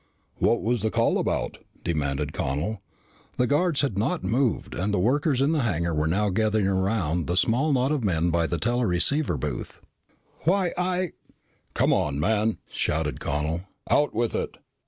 "What was the call about?" demanded Connel. The guards had not moved and the workers in the hangar were now gathering around the small knot of men by the teleceiver booth. "Why I " "Come on, man!" shouted Connel. "Out with it."